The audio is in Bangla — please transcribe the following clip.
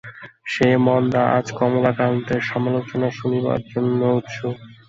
সেই মন্দা আজ কমলাকান্তের সমালোচনা শুনিবার জন্য উৎসুক।